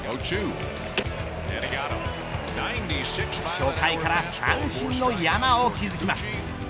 初回から三振の山を築きます。